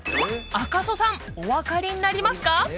赤楚さんお分かりになりますか？